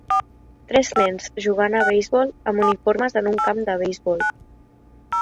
Tres nens jugant a beisbol amb uniformes en un camp de beisbol.